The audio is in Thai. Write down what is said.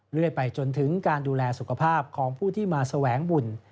เรื่อยไปจนถึงการดูแลสุขภาพของผู้ที่มาแสวงบุญ